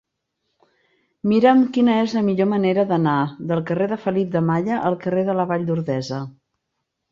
Mira'm quina és la millor manera d'anar del carrer de Felip de Malla al carrer de la Vall d'Ordesa.